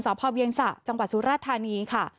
พ่อเวียงสะจังหวัดสุราธานีค่ะ